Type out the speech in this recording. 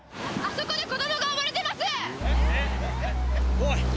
おい。